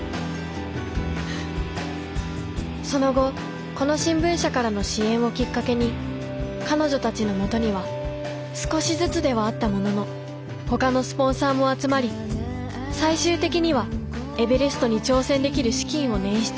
その後この新聞社からの支援をきっかけに彼女たちのもとには少しずつではあったもののほかのスポンサーも集まり最終的にはエベレストに挑戦できる資金を捻出。